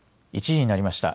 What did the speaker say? １時になりました。